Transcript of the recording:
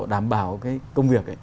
đảm bảo công việc